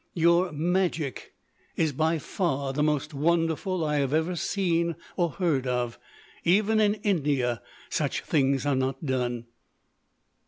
"Your magic is by far the most wonderful I have ever seen or heard of. Even in India such things are not done."